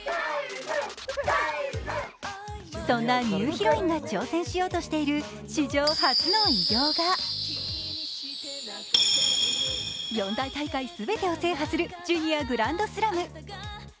そんなニューヒロインが挑戦しようとしている史上初の偉業が４大大会全てを制覇するジュニアグランドスラム。